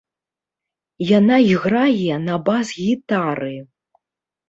Яна іграе на бас-гітары.